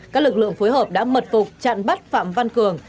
các lực lượng phối hợp đã mật phục chặn bắt phạm văn cường